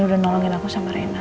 udah nolongin aku sama rena